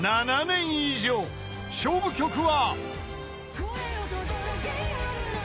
［勝負曲は］